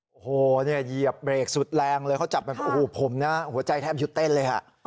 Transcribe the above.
โอ้โหเนี่ยเหยียบเบรกสุดแรงเลยเขาจับแบบโอ้โหผมนะหัวใจแทบหยุดเต้นเลยฮะ